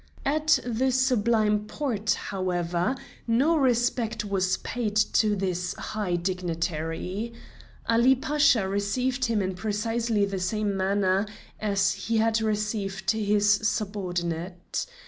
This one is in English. At the Sublime Porte, however, no respect was paid to this high dignitary. Ali Pasha received him in precisely the same manner as he had received his subordinate.